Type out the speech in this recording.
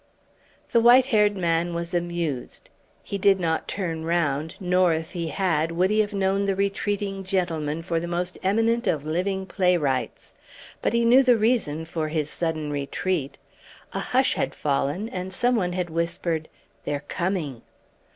The white haired man was amused. He did not turn round, nor, if he had, would he have known the retreating gentleman for the most eminent of living playwrights; but he knew the reason for his sudden retreat. A hush had fallen, and some one had whispered, "They're coming!"